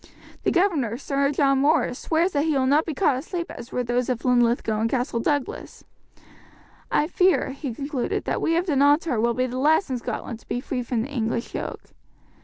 The governor, Sir John Morris, swears that he will not be caught asleep as were those of Linlithgow and Castle Douglas. I fear," he concluded, "that we of Dunottar will be the last in Scotland to be free from the English yoke."